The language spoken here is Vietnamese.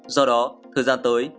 do đó thời gian tới